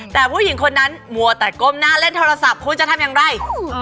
แต่ผู้หญิงคนนั้นมัวแต่ก้มหน้าเล่นโทรศัพท์คุณจะทำอย่างไร